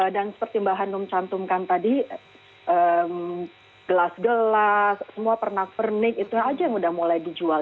dan seperti mbak hanum cantumkan tadi gelas gelas semua pernak pernik itu saja yang sudah mulai dijual